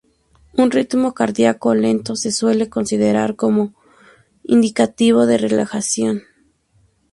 Un ritmo cardiaco lento se suele considerar como indicativo de relajación.